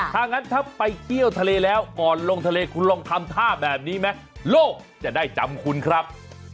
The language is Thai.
ถ้างั้นถ้าไปเที่ยวทะเลแล้วก่อนลงทะเลคุณลองทำท่าแบบนี้ไหมโลกจะได้จำคุณครับ